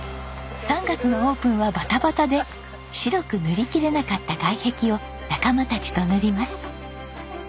３月のオープンはバタバタで白く塗りきれなかった外壁を仲間たちと塗ります。